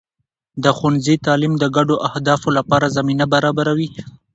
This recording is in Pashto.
د ښوونځي تعلیم د ګډو اهدافو لپاره زمینه برابروي.